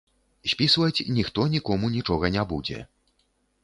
Спісваць ніхто нікому нічога не будзе.